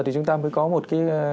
thì chúng ta mới có một cái